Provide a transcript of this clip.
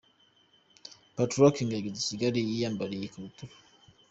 Patoranking yageze i Kigali yiyambariye ikabutura.